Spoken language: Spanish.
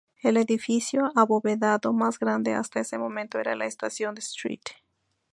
El edificio abovedado más grande hasta ese momento era la Estación de St.